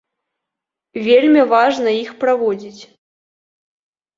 Вельмі важна іх праводзіць.